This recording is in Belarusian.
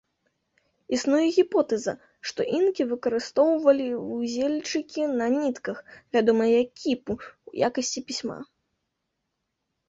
Існуе гіпотэза, што інкі выкарыстоўвалі вузельчыкі на нітках, вядомыя як кіпу, у якасці пісьма.